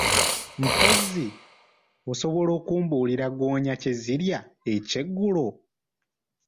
Mpozzi, osobola okumbulira ggoonya kye zirya ekyeggulo?